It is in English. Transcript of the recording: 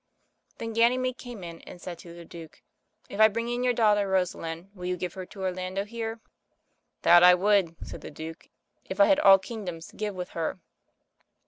Then Ganymede came in and said to the Duke, "If I bring in your daughter Rosalind, will you give her to Orlando here?" "That I would," said the Duke, "if I had all kingdoms to give with her."